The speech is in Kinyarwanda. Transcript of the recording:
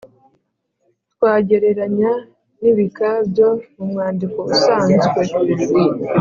twagereranya n’ibika byo mu mwandiko usanzwe